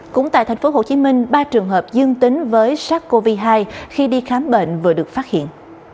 cũng tại tp hcm ba trường hợp dương tính với sars cov hai khi đi khám bệnh vừa được phát hiện